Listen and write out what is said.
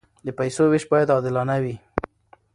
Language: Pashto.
د پیسو وېش باید عادلانه وي.